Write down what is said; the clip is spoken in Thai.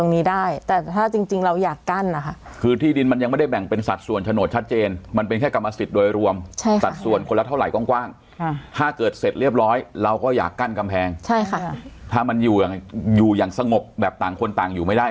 กั้นกำแพงใช่ค่ะถ้ามันอยู่อย่างอยู่อย่างสงบแบบต่างคนต่างอยู่ไม่ได้